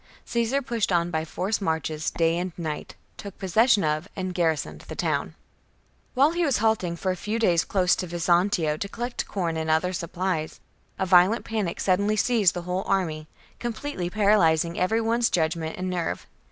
Caesar pushed on by forced marches night and day, took possession of, and garrisoned the town. Panic in 39. While he was halting for a few days close army. to Vcsoutio to collcct com and other supplies, a violent panic suddenly seized the whole army, completely paralysing every one's judgement and nerve.